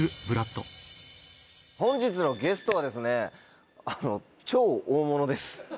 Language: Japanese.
本日のゲストはですね超大物です。